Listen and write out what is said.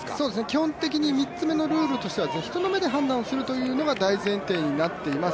基本的に３つ目のルールとして、人の目で判断するというのが大前提になっています、